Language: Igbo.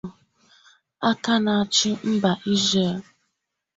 Aka na-achị mba Izrel